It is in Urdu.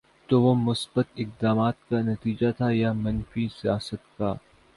تو وہ مثبت اقدامات کا نتیجہ تھا یا منفی سیاست کا؟